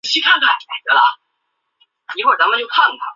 襄城县是中华人民共和国河南省许昌市下属的一个县。